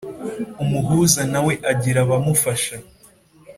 umuhuza nawe agira abamufasha.